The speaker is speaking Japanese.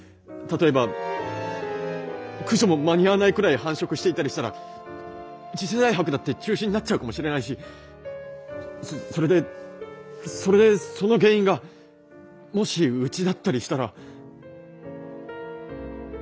例えば駆除も間に合わないくらい繁殖していたりしたら次世代博だって中止になっちゃうかもしれないしそれでそれでその原因がもしうちだったりしたら。